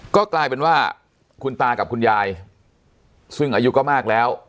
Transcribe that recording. ก็กลายเป็นว่าคุณตากับคุณยายซึ่งอายุก็มากแล้ว